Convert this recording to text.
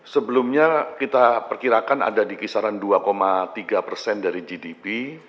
sebelumnya kita perkirakan ada di kisaran dua tiga persen dari gdp